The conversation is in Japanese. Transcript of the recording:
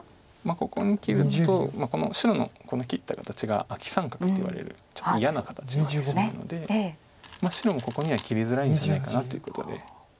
ここに切るとこの白の切った形がアキ三角といわれるちょっと嫌な形なので白もここには切りづらいんじゃないかなということで。